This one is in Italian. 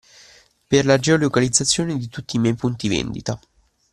Per la geo-localizzazione di tutti i miei punti vendita